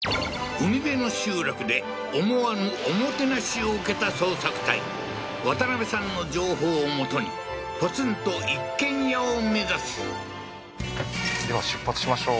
海辺の集落で思わぬおもてなしを受けた捜索隊渡辺さんの情報をもとにポツンと一軒家を目指すでは出発しましょう